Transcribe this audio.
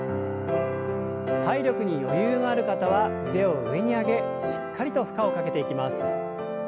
体力に余裕のある方は腕を上に上げしっかりと負荷をかけていきます。